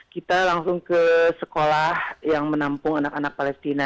kita langsung ke sekolah yang menampung anak anak palestina